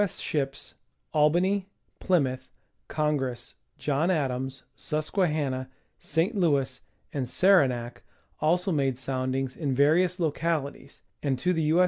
S. ships Albany, Plymouth, Congress, John Adams, Susquehanna, St. Louis and Saranac also made soundings in various localities, and to the U.